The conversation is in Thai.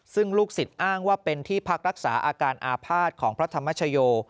ซึ่งลูกศิษย์อ้างว่าเป็นที่พักรักษาอาการอาภาษณ์ของพระธรรมชโย